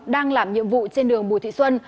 đang làm nhiệm vụ trên đường bùi thị xuân